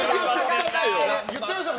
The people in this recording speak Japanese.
言ってましたよ